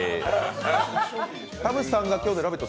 田淵さんが今日で「ラヴィット！」